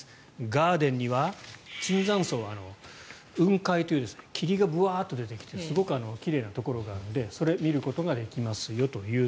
ガーデンには椿山荘は雲海という霧がブワッと出てきてすごく奇麗なところがあるのでそれを見ることができますよと。